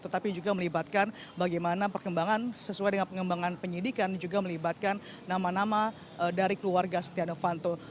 tetapi juga melibatkan bagaimana perkembangan sesuai dengan pengembangan penyidikan juga melibatkan nama nama dari keluarga setia novanto